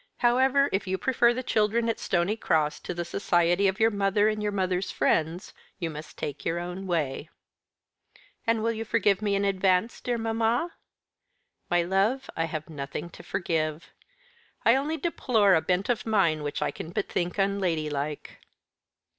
However, if you prefer the children at Stony Cross to the society of your mother and your mother's friends, you must take your own way." "And you will forgive me in advance, dear mamma?" "My love, I have nothing to forgive. I only deplore a bent of mind which I can but think unladylike."